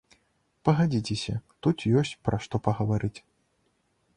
Пагадзіцеся, тут ёсць пра што пагаварыць.